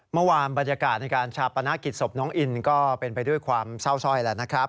เมื่อวานบรรยากาศในการชาปนาคิดสมน้องอินก็เป็นไปด้วยความเศร้าซอยแล้วนะครับ